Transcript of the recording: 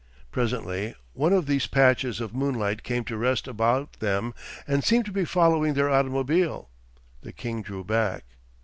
Presently one of these patches of moonlight came to rest about them and seemed to be following their automobile. The king drew back.